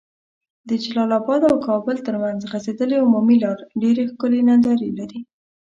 د جلال اباد او کابل تر منځ غځيدلي عمومي لار ډيري ښکلي ننداري لرې